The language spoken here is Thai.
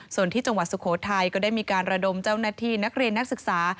ส่วนที่จังหวัดสุโขทัยก็ได้มีการระดมเจ้าหน้าที่นักเรียนนักศึกษา